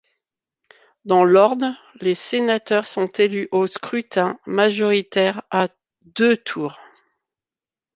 Dans l'Orne, les sénateurs sont élus au scrutin majoritaire à deux tours.